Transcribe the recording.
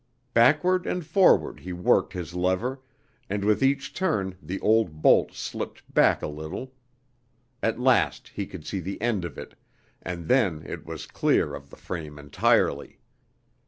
Backward and forward he worked his lever, and with each turn the old bolt slipped back a little. At last he could see the end of it, and then it was clear of the frame entirely.